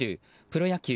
プロ野球